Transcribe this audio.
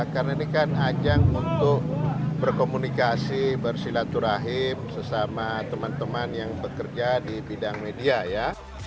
karena ini kan ajang untuk berkomunikasi bersilaturahim sesama teman teman yang bekerja di bidang media ya